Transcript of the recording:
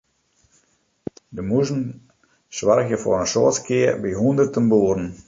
De mûzen soargje foar in soad skea by hûnderten boeren.